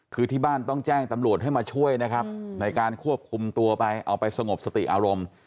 คือที่บ้านต้องแจ้งตำรวจให้มาช่วยนะครับในการควบคุมตัวไปเอาไปสงบสติอารมณ์